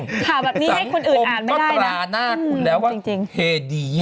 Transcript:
สั่งผมก็ตราหน้าคุณแล้วว่าเฮดีเย่